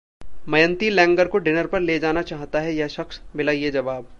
Mayanti Langer को dinner पर ले जाना चाहता है यह शख्स, मिला ये जवाब